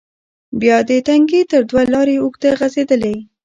بیا د تنگي تر دوه لارې اوږده غزیدلې،